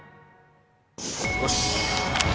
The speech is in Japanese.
よし。